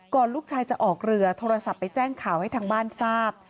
ลูกชายจะออกเรือโทรศัพท์ไปแจ้งข่าวให้ทางบ้านทราบ